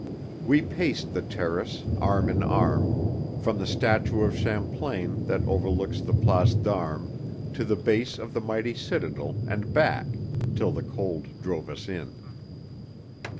We paced the Terrace, arm in arm, from the statue of Champlain that overlooks the Place d'Armes to the base of the mighty citadel, and back, till the cold drove us in.